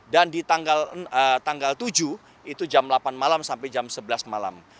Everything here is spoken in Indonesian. dan di tanggal tujuh itu jam delapan malam sampai jam sebelas malam